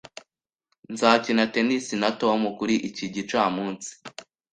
Nzakina tennis na Tom kuri iki gicamunsi,